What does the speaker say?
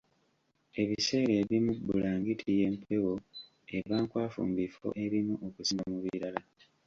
Ebiseera ebimu bbulangiti y'empewo eba nkwafu mu bifo ebimu okusinga mu birala